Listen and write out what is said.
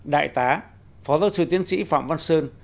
đại tá phó giáo sư tiến sĩ phạm văn sơn